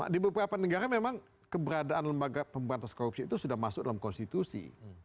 di beberapa negara memang keberadaan lembaga pemberantas korupsi itu sudah masuk dalam konstitusi